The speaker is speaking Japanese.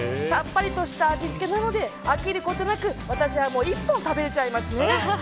さっぱりとした味付けなので飽きることなく私は一本食べられちゃいます。